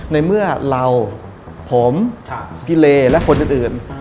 ในเมื่อเราผมพี่เลและคนอื่น